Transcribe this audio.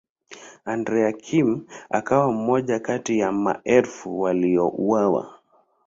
Andrea Kim akawa mmoja kati ya maelfu waliouawa.